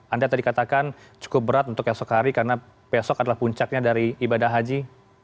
anda tadi katakan cukup berat untuk esok hari karena besok adalah puncaknya dari ibadah haji